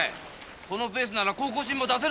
このペースなら高校新も出せるぞ。